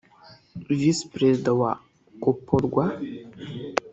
visi perezida wa coporwa